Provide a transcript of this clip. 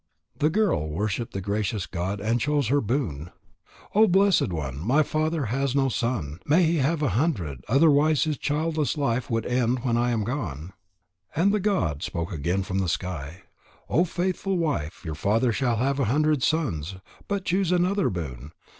The girl worshipped the gracious god and chose her boon: "O blessed one, my father has no son. May he have a hundred. Otherwise his childless life would end when I am gone." And the god spoke again from the sky: "O faithful wife, your father shall have a hundred sons. But choose another boon.